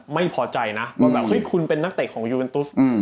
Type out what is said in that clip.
ไม่พอใจน่ะอืมว่าแบบเฮ้ยคุณเป็นนักเตะของอืม